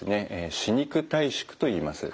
歯肉退縮といいます。